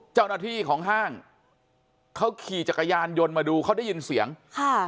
เจ้าหน้าที่ของห้างเขาขี่จักรยานยนต์มาดูเขาได้ยินเสียงค่ะ